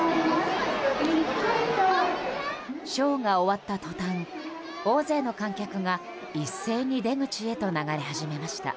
ショーが終わったとたん大勢の観客が一斉に出口へと流れ始めました。